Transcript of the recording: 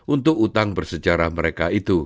untuk hutang bersejarah mereka itu